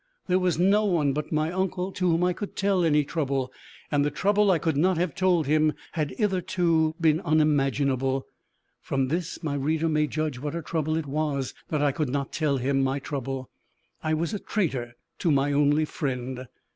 There was no one but my uncle to whom I could tell any trouble, and the trouble I could not have told him had hitherto been unimaginable! From this my reader may judge what a trouble it was that I could not tell him my trouble. I was a traitor to my only friend!